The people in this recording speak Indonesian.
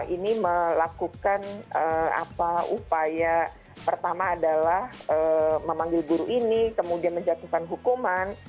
ini melakukan upaya pertama adalah memanggil guru ini kemudian menjatuhkan hukuman